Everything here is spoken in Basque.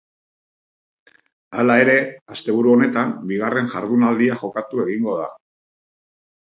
Hala ere, asteburu honetan bigarren jardunaldia jokatu egingo da.